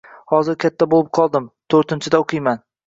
Hozir katta boʻlib qoldim - toʻrtinchida oʻqiyman